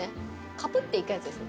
カプっていくやつですね。